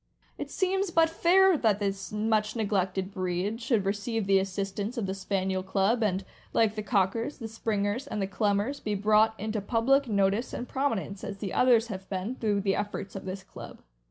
It seems but fair that this much neglected breed should receive the assistance of the Spaniel Club, and, like the Cockers, the Springers, and the Clumbers, be brought into public notice and prominence, as the others have been, through the efforts of this club.